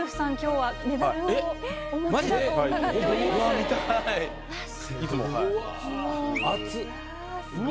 はい。